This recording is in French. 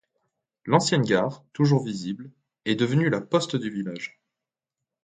L'ancienne gare, toujours visible, est devenue La Poste du village.